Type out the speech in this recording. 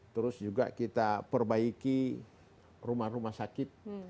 terus juga kita perbaiki rumah rumah sakit